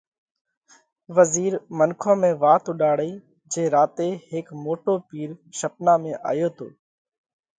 وزِير منکون ۾ وات اُوڏاڙئِي جي راتي هيڪ موٽو پِير شپنا ۾ آيو تو